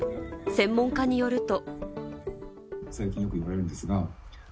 専門家によると。